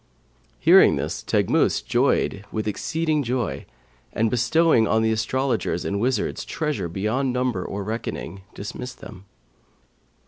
Hearing this Teghmus joyed with exceeding joy and, bestowing on the astrologers and wizards treasure beyond numbering or reckoning, dismissed them.